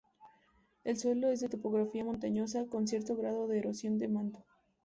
El suelo es de topografía montañosa, con cierto grado de erosión de manto.